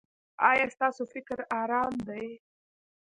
ایا ستاسو فکر ارام دی؟